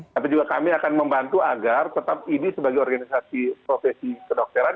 tapi juga kami akan membantu agar tetap ini sebagai organisasi profesi kedokteran